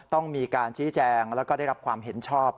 ต้องมีการชี้แจงแล้วก็ได้รับความเห็นชอบ